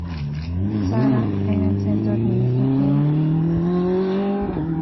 Zara era el centro administrativo.